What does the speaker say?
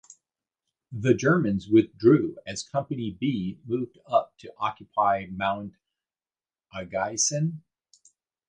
The Germans withdrew as Company B moved up to occupy Mount Agaisen.